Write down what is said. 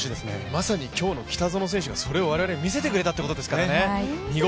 まさに今日の北園選手がそれを見せてくれたということですからね。